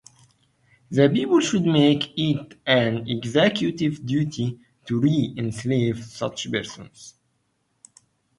The people should make it an Executive duty to re-enslave such persons.